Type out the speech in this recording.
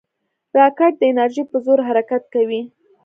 راکټ د انرژۍ په زور حرکت کوي